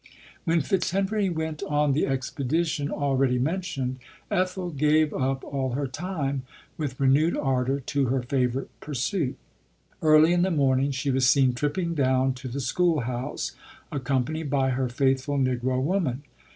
When Fitzhenry went on the expedition al ready mentioned, Ethel gave up all her time, with renewed ardour, to her favourite pursuit. Early in the morning she was seen tripping down to the school house, accompanied by her faithful negro woman.